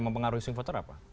mengaruhi swing voter apa